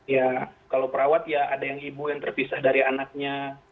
ya kalau perawat ya ada yang ibu yang terpisah dari anaknya